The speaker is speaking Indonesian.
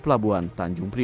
pelabuhan tanjung priok